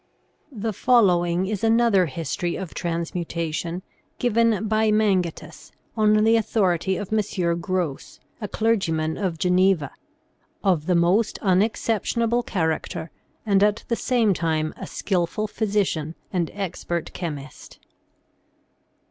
The following is another history of transmutation, given by Mangetus, on the authority of M. Gros, a clergyman of Geneva, " of the most unexceptionable character, and at the same time a skilful physician and expert chemist."